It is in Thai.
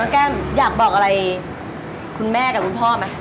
แก้มอยากบอกอะไรคุณแม่กับคุณพ่อไหม